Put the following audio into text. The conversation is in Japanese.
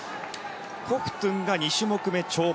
コフトゥンが２種目め跳馬。